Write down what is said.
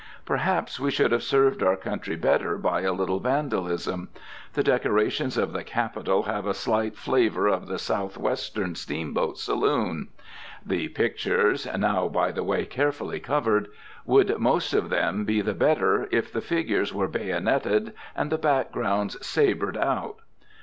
Perhaps we should have served our country better by a little Vandalism. The decorations of the Capitol have a slight flavor of the Southwestern steamboat saloon. The pictures (now, by the way, carefully covered) would most of them be the better, if the figures were bayoneted and the backgrounds sabred out.